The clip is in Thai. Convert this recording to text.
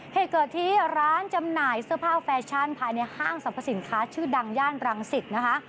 เหตุเกิดที่ร้านจำหน่ายเสื้อผ้าแฟชั่นภายในห้างสรรพสินค้าชื่อดังย่านรังสิตนะคะ